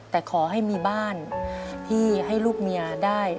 แต่ขอให้มีบ้านที่ให้ลูกเมียได้